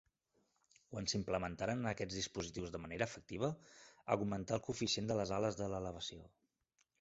Quan s'implementaren aquests dispositius de manera efectiva, augmentà el coeficient de les ales de l'elevació.